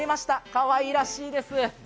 かわいらしいです。